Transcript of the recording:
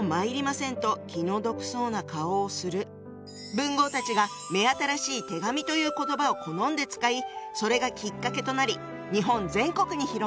文豪たちが目新しい「手紙」という言葉を好んで使いそれがきっかけとなり日本全国に広まったってわけ！